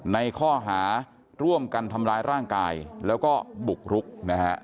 ในข้อหาร่วมกันทำร้ายร่างกายแล้วก็บุกรุกนะฮะ